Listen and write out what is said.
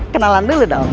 kenalan dulu dong